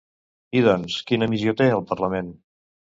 I doncs, quina missió té, el Parlament?